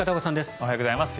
おはようございます。